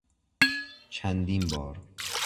چندین بار